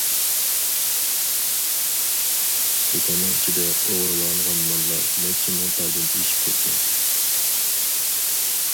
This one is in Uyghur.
دۇكاننىڭ ئىچىدە ئوغرىلانغان ماللار نەچچە مىڭ تالدىن ئېشىپ كەتكەن.